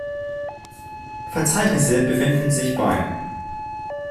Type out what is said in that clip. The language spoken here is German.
Verzeichnisse befinden sich bei